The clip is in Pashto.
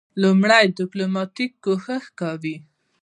لومړنی ډیپلوماټیک کوښښ وو.